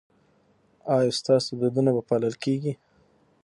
ایا ستاسو دودونه به پالل کیږي؟